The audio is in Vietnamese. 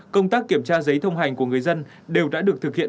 công tác kiểm tra giấy thông hành của người dân đều đã được thực hiện